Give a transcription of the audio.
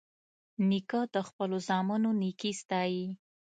نیکه د خپلو زامنو نیکي ستايي.